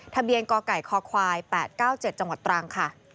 กไก่คควาย๘๙๗จังหวัดตรังค่ะ